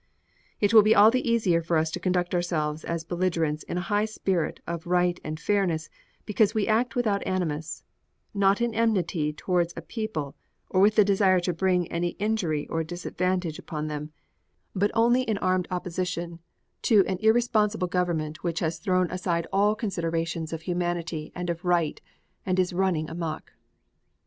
It will be all the easier for us to conduct ourselves as belligerents in a high spirit of right and fairness because we act without animus, not in enmity towards a people or with the desire to bring any injury or disadvantage upon them, but only in armed opposition to an irresponsible government which has thrown aside all considerations of humanity and of right and is running amuck.